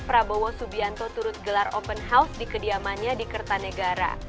prabowo subianto turut gelar open house di kediamannya di kertanegara